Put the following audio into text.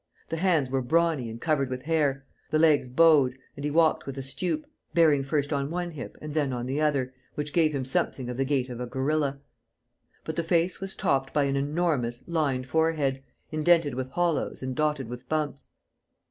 The hands were brawny and covered with hair, the legs bowed; and he walked with a stoop, bearing first on one hip and then on the other, which gave him something of the gait of a gorilla. But the face was topped by an enormous, lined forehead, indented with hollows and dotted with bumps.